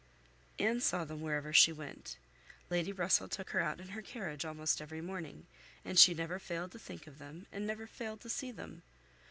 Anne saw them wherever she went. Lady Russell took her out in her carriage almost every morning, and she never failed to think of them, and never failed to see them.